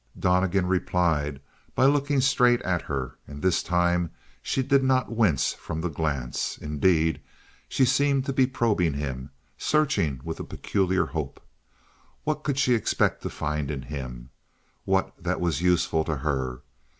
Donnegan replied by looking straight at her, and this time she did not wince from the glance. Indeed, she seemed to be probing him, searching with a peculiar hope. What could she expect to find in him? What that was useful to her?